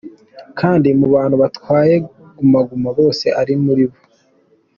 kandi mu bantu batwaye Guma Guma bose ari muri bo.